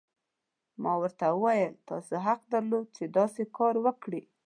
ما ورته وویل: تاسي حق درلود، چې داسې کار وکړي.